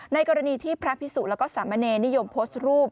กรณีที่พระพิสุแล้วก็สามเณรนิยมโพสต์รูป